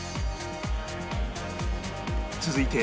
続いて